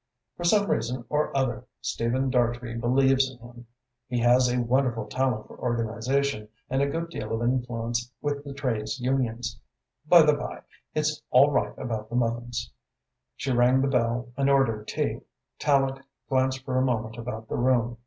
For some reason or other, Stephen Dartrey believes in him. He has a wonderful talent for organization and a good deal of influence with the trades unions. By the by, it's all right about the muffins." She rang the bell and ordered tea. Tallente glanced for a moment about the room.